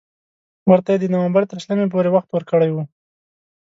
ورته یې د نومبر تر شلمې پورې وخت ورکړی وو.